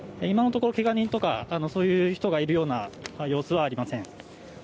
今のところけが人とか、そういう人がいるような様子はありません。